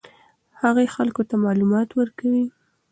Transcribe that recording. هغې خلکو ته معلومات ورکوي.